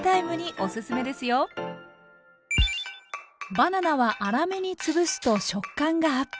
バナナは粗めに潰すと食感がアップ。